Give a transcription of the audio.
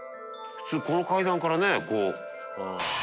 普通この階段からねこう。